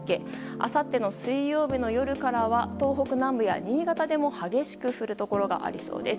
あさっての水曜日の夜からは東北南部や新潟でも激しく降るところがありそうです。